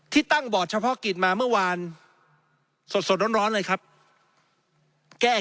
ที่ตั้งบอร์ดเฉพาะกิจมาเมื่อวานสดสดร้อนเลยครับแก้